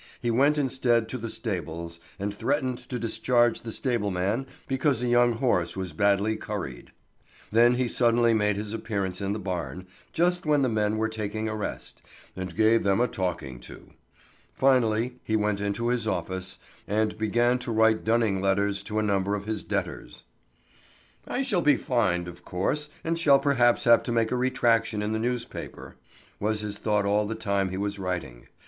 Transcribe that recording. He went instead to the stables, and threatened to discharge the stableman because a young horse was badly curried. Then he suddenly made his appearance in the barn, just when the men were taking a rest, and gave them a talking to. Finally he went into his office, and began to write dunning letters to a number of his debtors. "I shall be fined, of course, and shall perhaps have to make a retractation in the newspaper," was his thought all the time he was writing.